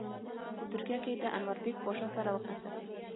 په ترکیه کې یې د انوربیګ پاشا سره وکتل.